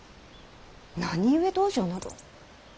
何故道場など。